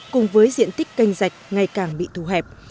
cùng với diện tích canh dạch ngày càng bị thù hẹp